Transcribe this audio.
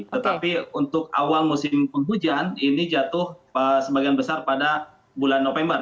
tetapi untuk awal musim penghujan ini jatuh sebagian besar pada bulan november